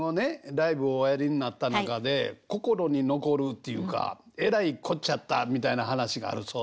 ライブをおやりになった中で心に残るっていうかえらいこっちゃったみたいな話があるそうですけど。